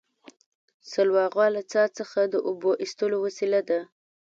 سلواغه له څا څخه د اوبو ایستلو وسیله ده